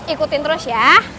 ikutin terus ya